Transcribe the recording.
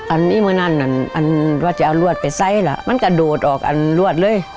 อันนี้เมื่อนั่นอันว่าจะเอารวดไปไซส์ล่ะมันกระโดดออกอันรวดเลย